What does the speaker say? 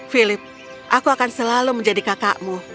philip aku akan selalu menjadi kakakmu